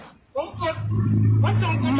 ขนส่งขนส่งไม่ได้ฟังผมพูดดิเดี๋ยวพึ่งแยก